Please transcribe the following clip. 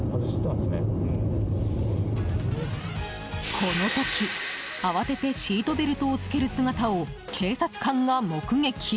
この時、慌ててシートベルトをつける姿を警察官が目撃。